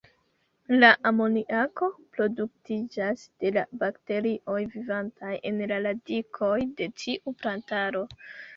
La amoniako produktiĝas de la bakterioj vivantaj en la radikoj de tiu plantaro.